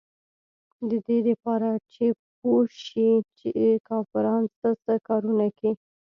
د دې دپاره چې پوې شي چې کافران سه سه کارونه کيي.